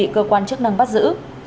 cơ quan chức năng bắt giữ